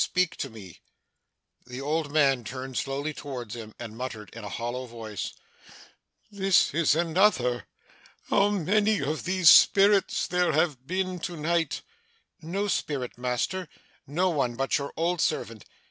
Speak to me!' The old man turned slowly towards him; and muttered in a hollow voice, 'This is another! How many of these spirits there have been to night!' 'No spirit, master. No one but your old servant.